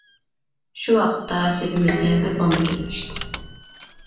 شۇ ۋاقىتتا، سېپىمىزگە يەنە بىر بومبا كېلىپ چۈشتى.